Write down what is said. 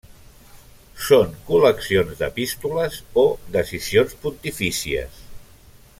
Són col·leccions d'epístoles o decisions pontifícies.